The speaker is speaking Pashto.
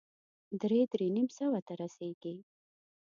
درې- درې نيم سوه ته رسېږي.